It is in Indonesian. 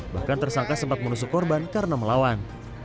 bahkan tersangka sempat menusuk korban karena melawan